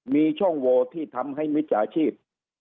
มีช่องโวที่ทำให้มิจฉาชีพ